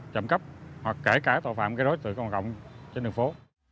chậm cấp hoặc kể cả tội phạm gây rối tựa cộng cộng trên đường phố